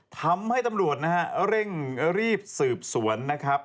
ทำให้ตำรวจนะฮะเร่งรีบสืบสวนนะครับ